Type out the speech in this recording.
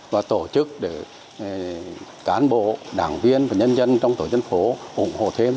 và tổ chức để cán bộ đảng viên và nhân dân trong tổ dân phố ủng hộ thêm